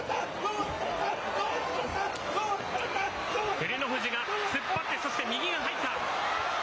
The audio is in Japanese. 照ノ富士が突っ張って、そして右に入った。